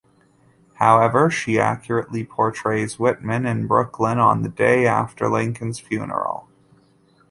However, she accurately portrays Whitman in Brooklyn on the day after Lincoln's funeral.